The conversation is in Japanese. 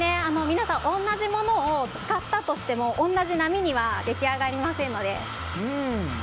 皆さん同じものを使ったとしても同じ波には出来上がりませんので。